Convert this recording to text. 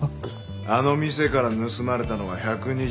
あの店から盗まれたのは１２６パック。